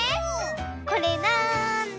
これなんだ？